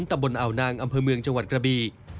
ตะบนอ่าวนางอำเภอเมืองจังหวัดกระบี